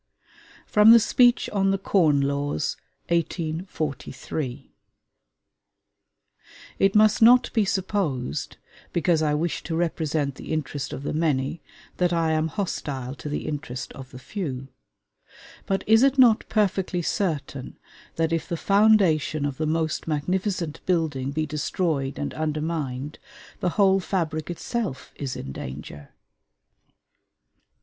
FROM THE SPEECH ON THE CORN LAWS (1843) It must not be supposed, because I wish to represent the interest of the many, that I am hostile to the interest of the few. But is it not perfectly certain that if the foundation of the most magnificent building be destroyed and undermined, the whole fabric itself is in danger?